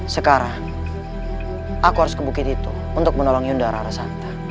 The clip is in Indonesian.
sekarang aku harus ke bukit itu untuk menolong yunda arasanta